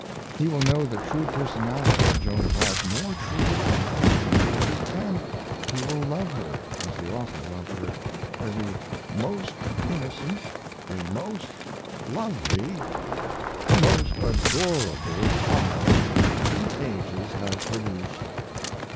He will know the true personality of Joan of Arc more truly than ever before, and he will love her as the author loved her, for "the most innocent, the most lovely, the most adorable child the ages have produced."